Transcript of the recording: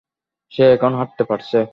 সে এখন হাঁটতে পারছে।